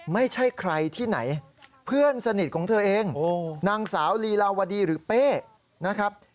ไม่ใช่ใครที่ไหนเพื่อนสนิทของเธอเองนางสาวลีลาวดีหรือเป้นะครับ